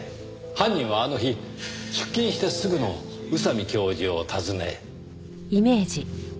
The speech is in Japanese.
犯人はあの日出勤してすぐの宇佐美教授を訪ね。